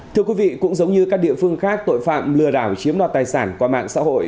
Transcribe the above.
thưa quý vị cũng giống như các địa phương khác tội phạm lừa đảo chiếm đoạt tài sản qua mạng xã hội